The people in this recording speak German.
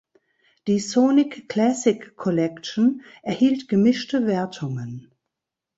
Die "Sonic Classic Collection" erhielt gemischte Wertungen.